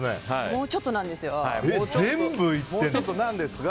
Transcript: もうちょっとなんですよ。